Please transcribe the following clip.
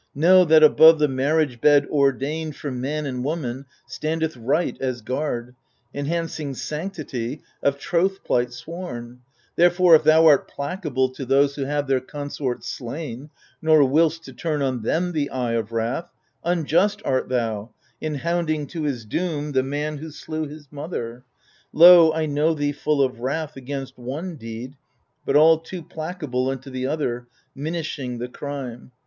Know, that above the marriage bed ordained For man and woman standeth Right as guard, Enhancing sanctity of troth plight sworn ; Therefore, if thou art placable to those Who have their consort slain, nor will'st to turn On them the eye of wrath, unjust art thou In hounding to his doom the man who slew His mother. Lo, I know thee full of wrath Against one deed, but all too placable Unto the other, minishing the crime.